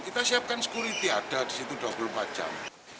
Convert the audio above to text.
kita siapkan security ada di situ dua puluh empat jam